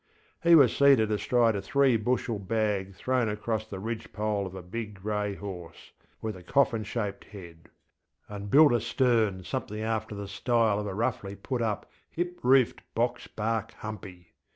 He was seated astride a three bushel bag thrown across the ridge pole of a big grey horse, with a coffin shaped head, and built astern something after the style of a roughly put up hip roofed box bark humpy.